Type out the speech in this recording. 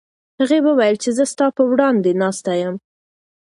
هغې وویل چې زه ستا په وړاندې ناسته یم.